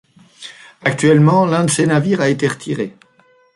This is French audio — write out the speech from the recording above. Actuellement, l’un de ces navires a été retiré.